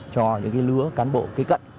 cho những lứa cán bộ kế cận